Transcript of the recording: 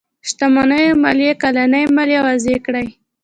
شتمنيو ماليې کلنۍ ماليه وضعه کړي.